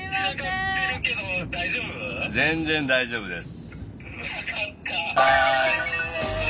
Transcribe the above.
全然大丈夫です。